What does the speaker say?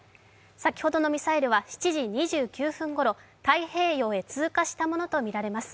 先ほどのミサイルは７時２９分ごろ、太平洋へ通過したものとみられます。